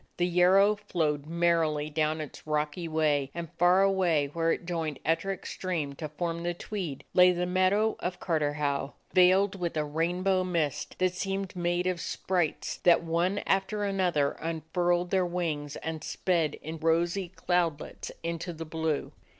The Yarrow flowed merrily down its rocky way, and far away, where it joined Ettrick Stream to form the Tweed, lay the meadow of Carterhaugh, veiled with a rainbow mist that seemed made of sprites that one after another unfurled their wings and sped in rosy cloudlets into the blue.